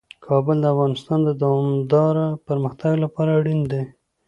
کابل د افغانستان د دوامداره پرمختګ لپاره اړین دي.